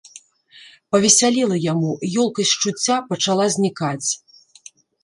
Павесялела яму, ёлкасць чуцця пачала знікаць.